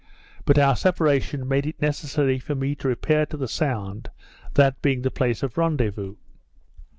But our separation made it necessary for me to repair to the Sound, that being the place of rendezvous.